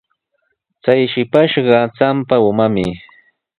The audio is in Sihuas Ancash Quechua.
Chay shipashqa trapsa umami.